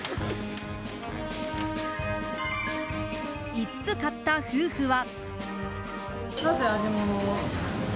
５つ買った夫婦は。